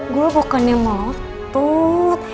gue kok kan yang melotot